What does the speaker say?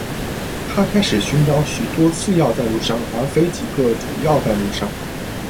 他开始寻找许多次要赞助商，而非几个主要赞助商